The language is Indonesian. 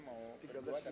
you mau ke lombok